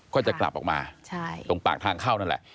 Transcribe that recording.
ก็จะกลับออกมาตรงปากทางเข้านั่นแหละ